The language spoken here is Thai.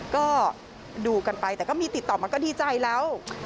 ก็ดูกันไปแต่ก็มีติดต่อมาก็ดีใจแล้ว